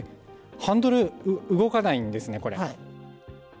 ハンドル動かないんですね、これ。